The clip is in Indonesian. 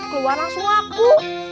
keluar langsung aku